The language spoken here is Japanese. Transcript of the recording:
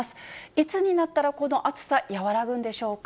いつになったらこの暑さ、和らぐんでしょうか。